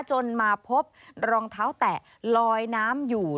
จนมาพบรองเท้าแตะลอยน้ำอยู่